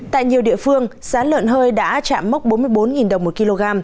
tại nhiều địa phương giá lợn hơi đã chạm mốc bốn mươi bốn đồng một kg